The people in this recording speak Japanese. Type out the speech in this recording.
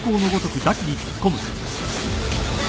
あっ！？